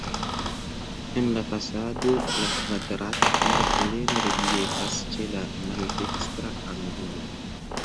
En la fasado la kvadrata turo plene reliefas ĉe la maldekstra angulo.